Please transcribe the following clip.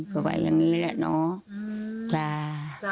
ก็ว่าอย่างนี้แหละเนาะ